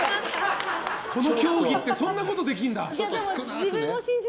この競技ってそんなことできるんだ。